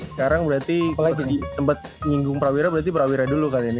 sekarang berarti kalau di tempat nyinggung prawira berarti prawira dulu kali ini